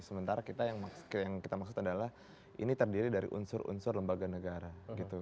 sementara kita yang kita maksud adalah ini terdiri dari unsur unsur lembaga negara gitu